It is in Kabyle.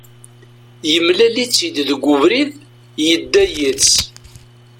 Yemlal-itt-id deg ubrid, yedda yid-s.